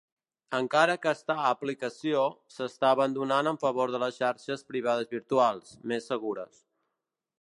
Encara que està aplicació s'està abandonant en favor de les xarxes privades virtuals, més segures.